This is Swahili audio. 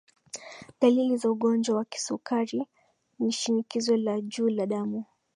dalili za ugonjwa wa kisukari ni shinikizo la juu la damu